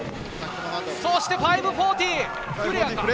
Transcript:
そして５４０。